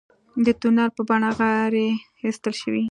د تونل په بڼه غارې ایستل شوي.